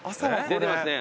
出てますね